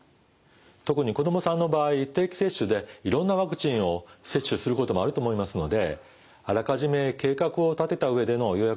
特に子どもさんの場合定期接種でいろんなワクチンを接種することもあると思いますのであらかじめ計画を立てた上での予約が必要になります。